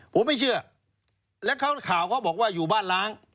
ผมไม่เชื่อแล้วข่าวเขาบอกว่าอยู่บ้านล้าง